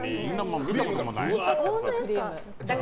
見たこともない。